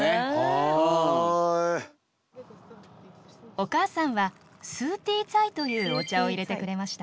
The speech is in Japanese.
お母さんはスーティーツァイというお茶をいれてくれました。